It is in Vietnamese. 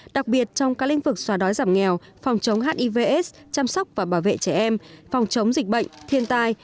đặc biệt trong các lĩnh vực xóa đói giảm nghèo phòng chống hiv aids chăm sóc và bảo vệ trẻ em phòng chống dịch bệnh thiên tai